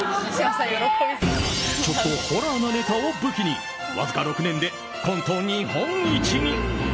ちょっとホラーなネタを武器にわずか６年でコント日本一に。